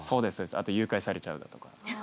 あと誘拐されちゃうだとか。